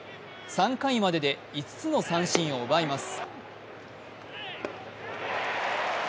３回までで５つの三振を奪います。